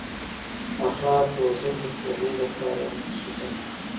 اخلاق روزل د کورنۍ د پلار یوه مسؤلیت ده.